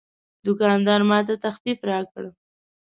دوکاندار ماته تخفیف راکړ.